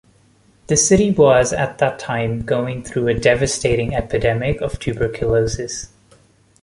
The city was at that time going through a devastating epidemic of tuberculosis.